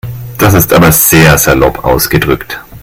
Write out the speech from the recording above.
Das ist aber sehr salopp ausgedrückt.